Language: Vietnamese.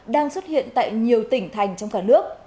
đang xuất hiện tại nhiều tỉnh thành trong cả nước